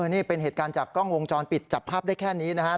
นี่เป็นเหตุการณ์จากกล้องวงจรปิดจับภาพได้แค่นี้นะครับ